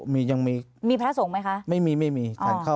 มีพระทรงไหมคะ